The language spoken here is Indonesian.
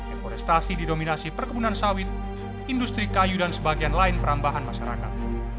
ekorestasi didominasi perkebunan sawit industri kayu dan sebagian lain perambahan masyarakat